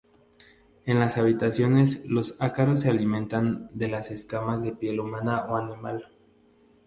En las habitaciones los ácaros se alimentan de escamas de piel humana o animal.